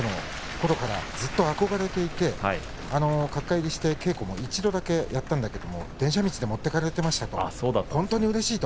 中学のころからずっと憧れていて角界入りして稽古を一度だけやったけれども電車道で持っていかれました。